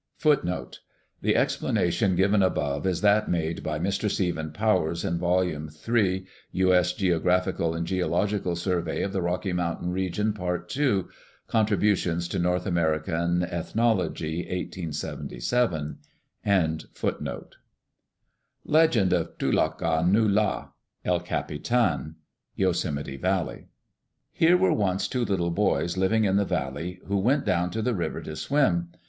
(3) The explanation given above is that made by Mr. Stephen Powers, in Vol. 3, U. S. Geographical and Geological Survey of the Rocky Mountain region, Part 2, Contributions to North American Ethnology, 1877. Legend of Tu Tok A Nu' La (El Capitan) Yosemite Valley Here were once two little boys living in the valley who went down to the river to swim.